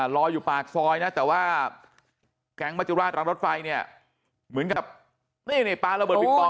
รออยู่ปากซอยนะแต่ว่าแก๊งมจุราชรำรถไฟเนี่ยเหมือนกับนี่นี่ปลาระเบิงปอง